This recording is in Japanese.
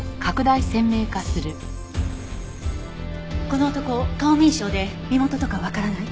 この男顔認証で身元とかわからない？